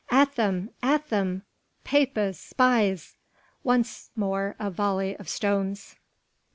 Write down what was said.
"At them! at them! Papists! Spies!" Once more a volley of stones.